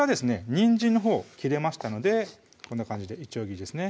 にんじんのほう切れましたのでこんな感じでいちょう切りですね